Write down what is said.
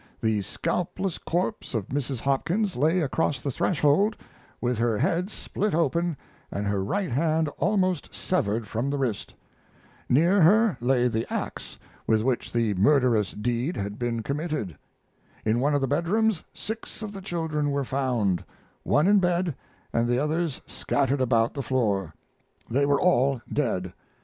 The scalpless corpse of Mrs. Hopkins lay across the threshold, with her head split open and her right hand almost severed from the wrist. Near her lay the ax with which the murderous deed had been committed. In one of the bedrooms six of the children were found, one in bed and the others scattered about the floor. They were all dead.